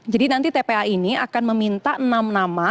jadi nanti tpa ini akan meminta enam nama